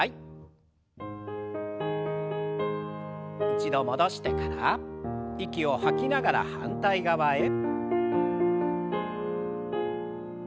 一度戻してから息を吐きながら反対側へ。